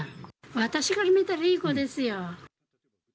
私から見たら、いい子ですよ。